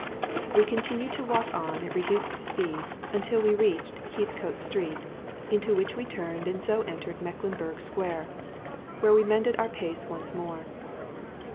We continued to walk on at reduced speed until we reached Heathcote Street, into which we turned and so entered Mecklenburgh Square, where we mended our pace once more.